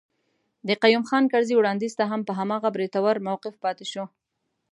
د قيوم خان کرزي وړانديز ته هم په هماغه بریتور موقف پاتي شو.